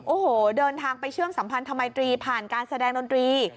โอ้โหเดินทางไปเชื่อมสัมพันธมัยตรีผ่านการแสดงดนตรี